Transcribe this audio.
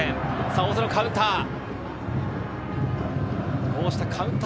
大津のカウンター。